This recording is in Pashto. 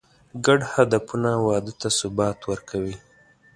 ګډ هدفونه واده ته ثبات ورکوي.